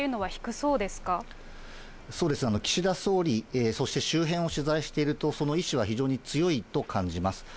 そうですね、岸田総理、そして周辺を取材していると、その意思は非常に強いと感じます。